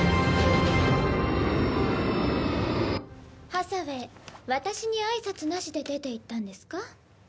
ハサウェイ私に挨拶なしで出ていったんですか？